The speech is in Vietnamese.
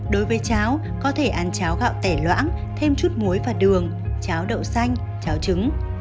đối với cháo có thể ăn cháo gạo tẻ loãng thêm chút muối và đường cháo đậu xanh cháo trứng